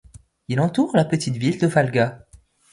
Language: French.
Il entoure la petite ville de Valga.